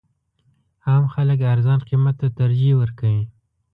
عام خلک ارزان قیمت ته ترجیح ورکوي.